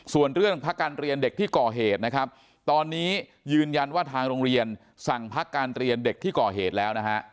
ส่วนเรื่องพักการเรียนเด็กที่ก่อเหตุนะครับตอนนี้ยืนยันว่าทางโรงเรียนสั่งพักการเรียนเด็กที่ก่อเหตุแล้วนะฮะ